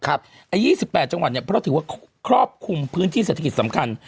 ไอ้๒๘จังหวัดเนี่ยเพราะเราถือว่าครอบคุมพื้นที่เศรษฐกิจสำคัญ